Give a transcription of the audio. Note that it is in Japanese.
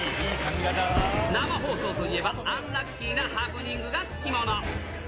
生放送といえば、アンラッキーなハプニングが付き物。